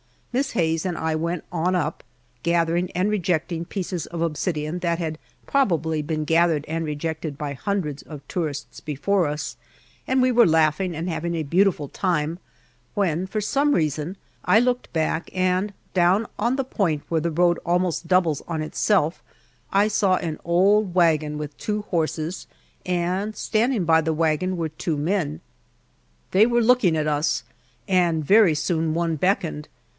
Miss Hayes and I went on up, gathering and rejecting pieces of obsidian that had probably been gathered and rejected by hundreds of tourists before us, and we were laughing and having a beautiful time when, for some reason, I looked back, and down on the point where the road almost doubles on itself I saw an old wagon with two horses, and standing by the wagon were two men. They were looking at us, and very soon one beckoned.